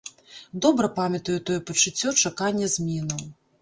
Добра памятаю тое пачуццё чакання зменаў.